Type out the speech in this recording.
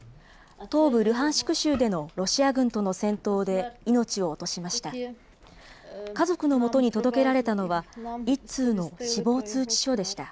東部ルハンシク州でのロシア軍との戦闘で命を落としました。